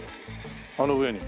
あの上に。